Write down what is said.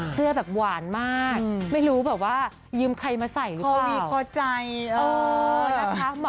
เสื้อแบบหวานมากไม่รู้แบบว่ายืมใครมาใส่รึเปล่า